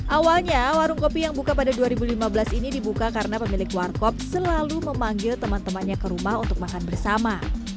awalnya warung kopi yang buka pada dua ribu lima belas ini dibuka karena pemilik warkop selalu memanggil teman temannya ke rumah untuk makan bersama